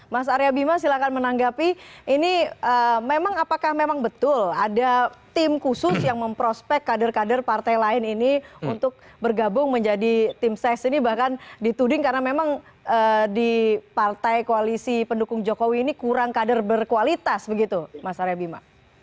mas arya bima silahkan menanggapi ini memang apakah memang betul ada tim khusus yang memprospek kader kader partai lain ini untuk bergabung menjadi tim ses ini bahkan dituding karena memang di partai koalisi pendukung jokowi ini kurang kader berkualitas begitu mas arya bima